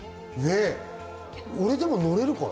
俺でも乗れるかな？